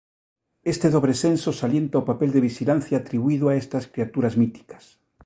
Este dobre senso salienta o papel de vixilancia atribuído a estas criaturas míticas.